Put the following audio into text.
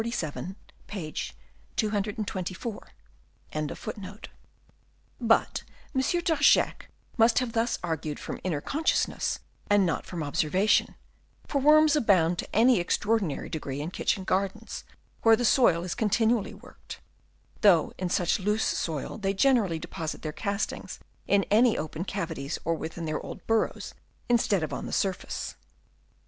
* But M. D' Archiac must have thus argued from inner consciousness and not from observation, for worms abound to an extraordinary degree in kitchen gardens where the soil is continually worked, though in such loose soil they generally deposit their castings in any open cavities or within their old burrows instead of on the surface.